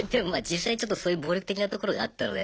実際ちょっとそういう暴力的なところがあったので。